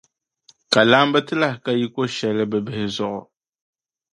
Ka laamba ti lahi ka yiko shɛli bɛ bihi zuɣu.